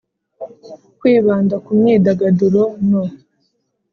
kwibanda ku myidagaduro no